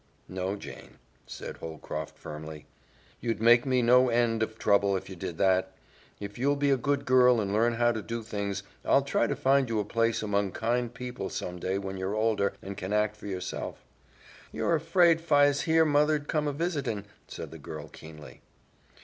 "No, Jane," said Holcroft firmly, "you'd make me no end of trouble if you did that. If you'll be a good girl and learn how to do things, I'll try to find you a place among kind people some day when you're older and can act for yourself." "You're afraid 'fi's here mother'd come a visitin," said the girl keenly.